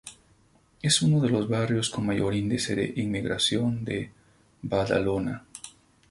Es uno de los barrios con mayor índice de inmigración de Badalona.